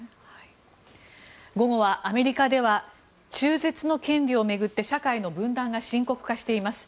午後はアメリカでは中絶の権利を巡って社会の分断が深刻化しています。